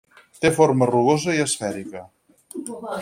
Té forma rugosa i esfèrica.